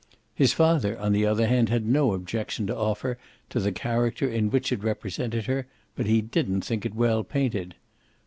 His father on the other hand had no objection to offer to the character in which it represented her, but he didn't think it well painted.